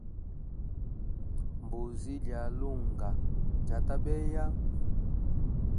Mbuzi ya lunga njyata beya.